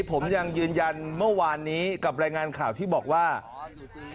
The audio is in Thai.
ผมยังยืนยันเมื่อวานนี้กับรายงานข่าวที่บอกว่า